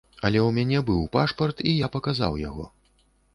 Але ў мяне быў пашпарт, і я паказаў яго.